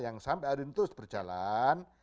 yang sampai hari ini terus berjalan